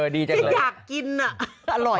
ดีจังเลย